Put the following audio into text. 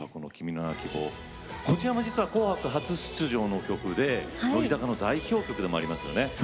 こちらも「紅白」初出場の曲で、乃木坂の代表曲でもありますよね。